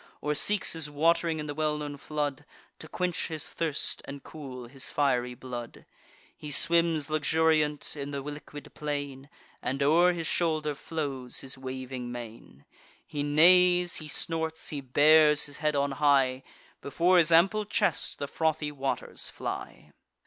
Or seeks his wat'ring in the well known flood, To quench his thirst, and cool his fiery blood: He swims luxuriant in the liquid plain, And o'er his shoulder flows his waving mane: He neighs, he snorts, he bears his head on high; Before his ample chest the frothy waters fly.